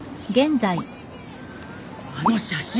あの写真。